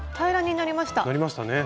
なりましたね。